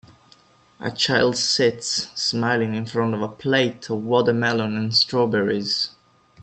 A child sits, smiling in front of a plate of watermelon and strawberries.